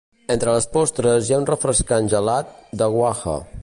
Entre les postres hi ha un refrescant gelat d'"aguaje".